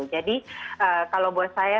jadi kalau buat saya